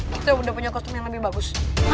kita udah punya kostum yang lebih bagus